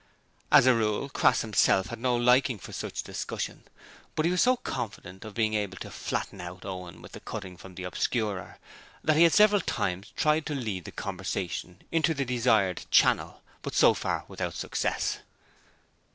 As a rule Crass himself had no liking for such discussion, but he was so confident of being able to 'flatten out' Owen with the cutting from the Obscurer that he had several times tried to lead the conversation into the desired channel, but so far without success.